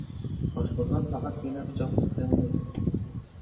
• Oshqozon faqatgina pichoqni sevmaydi.